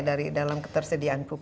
dari dalam ketersediaan pupuk